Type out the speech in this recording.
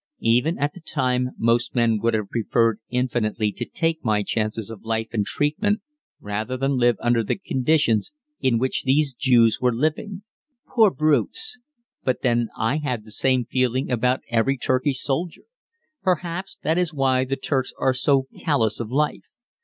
Even at the time most men would have preferred infinitely to take my chances of life and treatment rather than live under the conditions in which these Jews were living. Poor brutes! But then I had the same feeling about every Turkish soldier. Perhaps that is why the Turks are so callous of life.